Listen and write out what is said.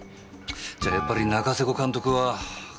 じゃあやっぱり仲瀬古監督は殺された。